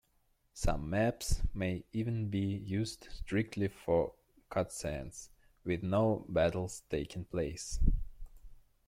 Some maps may even be used strictly for cutscenes, with no battles taking place.